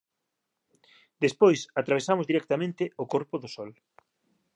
Despois atravesamos directamente o corpo do sol.